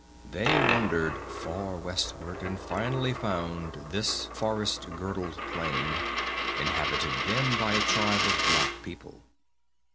They wandered far westward and finally found this forest girdled plain, inhabited then by a tribe of black people.